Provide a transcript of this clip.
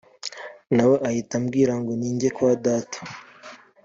nawe ahita ambwira ngo ninjye kwa Data